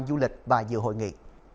du lịch và dự hội nghị